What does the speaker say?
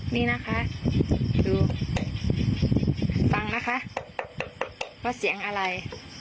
นี่นะคะดูฟังนะคะว่าเสียงอะไร